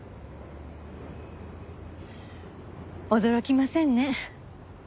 驚きませんね。